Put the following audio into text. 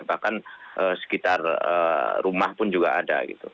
bahkan sekitar rumah pun juga ada